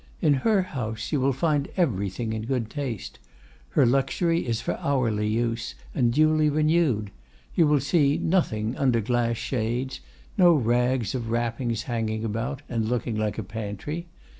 In her house you will find everything in good taste; her luxury is for hourly use, and duly renewed; you will see nothing under glass shades, no rags of wrappings hanging about, and looking like a pantry.